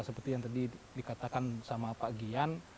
seperti yang tadi dikatakan sama pak gian